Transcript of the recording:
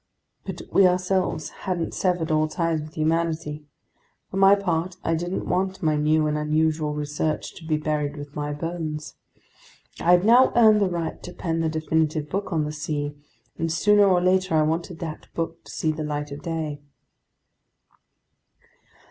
But we ourselves hadn't severed all ties with humanity. For my part, I didn't want my new and unusual research to be buried with my bones. I had now earned the right to pen the definitive book on the sea, and sooner or later I wanted that book to see the light of day.